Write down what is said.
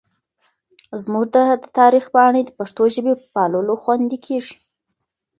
زموږ د تاریخ پاڼې د پښتو ژبې په پاللو خوندي کېږي.